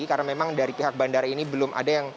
karena memang dari pihak bandara ini belum ada yang